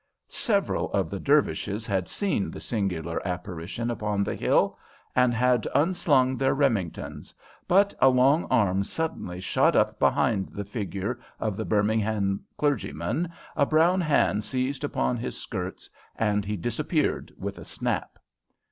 Several of the Dervishes had seen the singular apparition upon the hill, and had un slung their Remingtons, but a long arm suddenly shot up behind the figure of the Birmingham clergyman, a brown hand seized upon his skirts, and he disappeared with a snap.